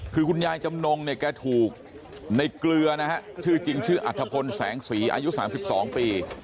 คือคุณยายจำนงเนี่ยแกถูกในเกลือนะฮะชื่อจริงชื่ออัฐพลแสงสีอายุ๓๒ปี